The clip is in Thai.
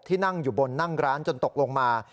นั่งอยู่บนนั่งร้านจนตกลงมา